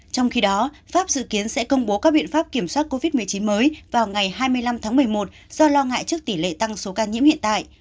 trong khi đó pháp dự kiến sẽ công bố các biện pháp kiểm soát covid một mươi chín mới vào ngày hai mươi năm tháng một mươi một do lo ngại trước tỷ lệ tăng số ca nhiễm hiện tại